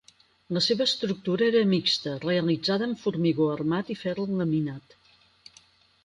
La seva estructura era mixta, realitzada en formigó armat i ferro laminat.